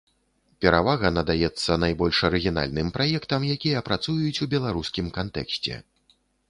Перавага надаецца найбольш арыгінальным праектам, якія працуюць у беларускім кантэксце.